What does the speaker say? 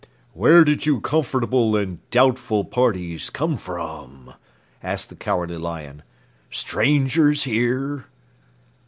"Where did you comfortable and doubtful parties come from?" asked the Cowardly Lion. "Strangers here?"